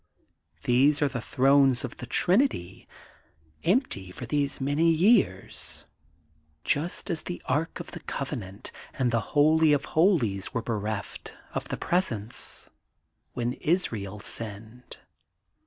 These are the thrones of the Trinity, empty for these many years, just as the Ark of the Covenant and the Holy of Holies were bereft of the Presence, when Israel sinned.